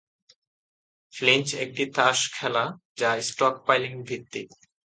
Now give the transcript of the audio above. ফ্লিঞ্চ একটি তাস খেলা যা স্টকপাইলিং ভিত্তিক।